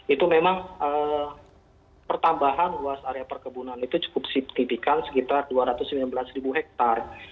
itu memang pertambahan luas area perkebunan itu cukup signifikan sekitar dua ratus sembilan belas ribu hektare